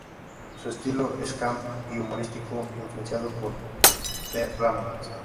Su estilo es camp y humorístico, influenciado por The Ramones.